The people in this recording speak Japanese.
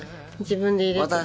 自分で入れてた。